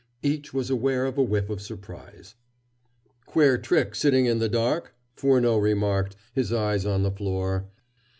Each was aware of a whiff of surprise. "Queer trick, sitting in the dark," Furneaux remarked, his eyes on the floor.